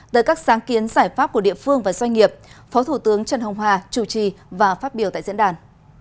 tới các sáng kiến giải pháp của địa phương và doanh nghiệp phó thủ tướng trần hồng hòa chủ trì và phát biểu tại diễn đàn